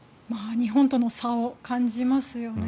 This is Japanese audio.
日本との差を感じますよね。